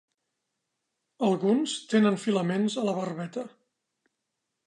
Alguns tenen filaments a la barbeta.